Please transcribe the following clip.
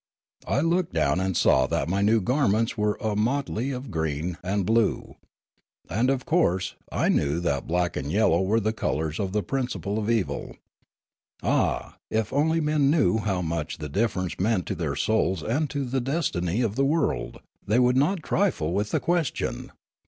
I looked down and saw that my new gar ments were a motley of green and blue ; and of course I knew that black and yellow were the colours of the principle of evil. Ah, if only men knew how much the difference meant to their souls and to the destiny of the world, the}' would not trifle with the question